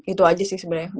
itu aja sih sebenarnya